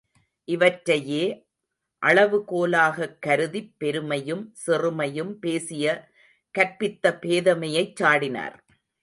இவற்றையே அளவு கோலாகக் கருதிப் பெருமையும் சிறுமையும் பேசிய கற்பித்த பேதைமையைச் சாடினார்.